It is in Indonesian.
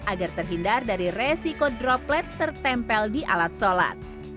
agar terhindar dari resiko droplet tertempel di alat sholat